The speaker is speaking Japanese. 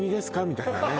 みたいなね